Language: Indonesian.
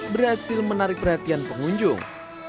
berhasil menarik perhatian pengunjung